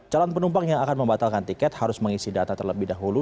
calon penumpang yang akan membatalkan tiket harus mengisi data terlebih dahulu